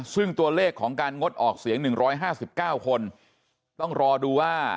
ซึ่งตัวเลขของการงดออกเสียง๑๕๙คนต้องรอดูว่า